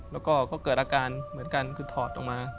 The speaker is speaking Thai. แล้วก็เกิดอาการเหมือนกันคือถอดออกมา